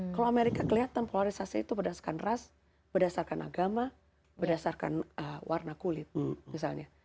kalau amerika kelihatan polarisasi itu berdasarkan ras berdasarkan agama berdasarkan warna kulit misalnya